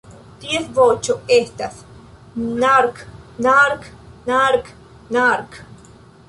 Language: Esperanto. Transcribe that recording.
Ties voĉo estas ""nark-nark-nark-nark"".